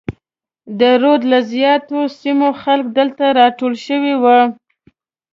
د رود له زیاترو سیمو خلک دلته راټول شوي وو.